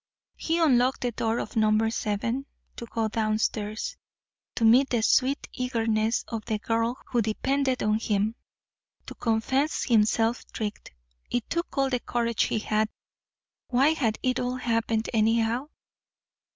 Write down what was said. He unlocked the door of number seven. To go down stairs, to meet the sweet eagerness of the girl who depended on him, to confess himself tricked it took all the courage he had. Why had it all happened, anyhow?